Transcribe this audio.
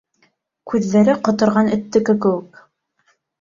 Күҙҙәре ҡоторған эттеке кеүек!